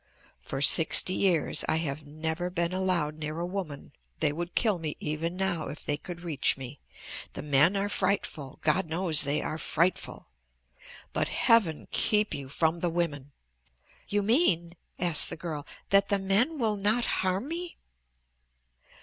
"For sixty years I have never been allowed near a woman. They would kill me, even now, if they could reach me. The men are frightful, God knows they are frightful! But heaven keep you from the women!" "You mean," asked the girl, "that the men will not harm me?"